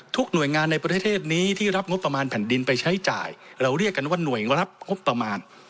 หน่วยงานในประเทศนี้ที่รับงบประมาณแผ่นดินไปใช้จ่ายเราเรียกกันว่าหน่วยรับงบประมาณ